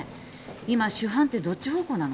今主犯ってどっち方向なの？